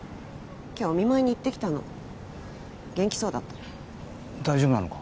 今日お見舞いに行ってきたの元気そうだった大丈夫なのか？